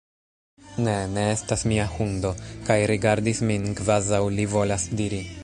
Ne! Ne estas mia hundo! kaj rigardis min kvazaŭ li volas diri